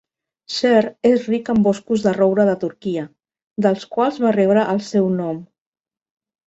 Cer és ric en boscos de roure de Turquia, dels quals va rebre el seu nom.